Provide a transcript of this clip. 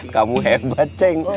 kamu hebat ceng